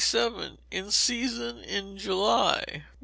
In Season in July.